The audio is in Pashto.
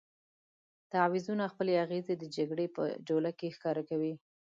تعویضونه خپلې اغېزې د جګړې په جوله کې ښکاره کوي.